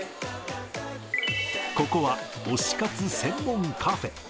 ここは推し活専門カフェ。